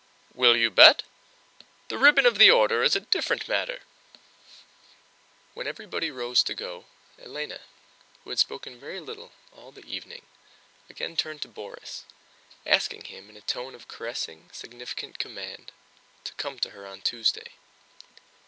"Will you bet? The ribbon of the order is a different matter...." When everybody rose to go, Hélène who had spoken very little all the evening again turned to Borís, asking him in a tone of caressing significant command to come to her on Tuesday.